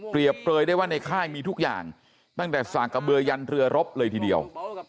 เปลยได้ว่าในค่ายมีทุกอย่างตั้งแต่สากะเบือยันเรือรบเลยทีเดียว